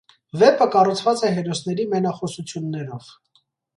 Վեպը կառուցված է հերոսների մենախոսություններով։